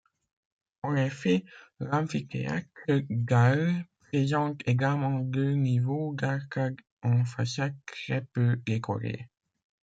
En effet, l’amphithéâtre d’Arles présente également deux niveaux d’arcades en façade très peu décorées.